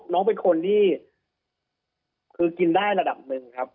น้องเป็นคนที่คือกินได้ระดับหนึ่งครับ